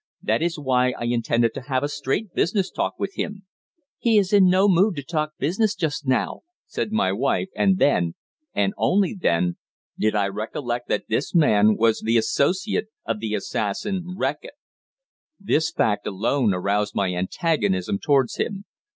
That is why I intended to have a straight business talk with him." "He is in no mood to talk business just now," said my wife, and then and only then did I recollect that this man was the associate of the assassin Reckitt. This fact alone aroused my antagonism towards him.